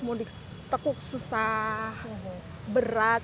mau ditekuk susah berat